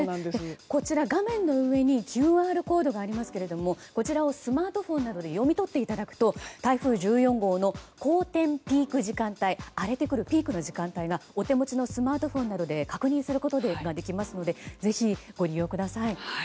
こちら画面の上にＱＲコードがありますけどもこちらをスマートフォンなどで読み取っていただくと台風１４号の荒天ピーク時間帯荒れてくるピークの時間帯がお手持ちのスマートフォンなどで確認することができますのでぜひご利用ください。